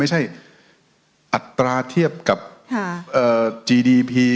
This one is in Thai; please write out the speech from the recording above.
ไม่ใช่อัตราเทียบกับหาจีดีพี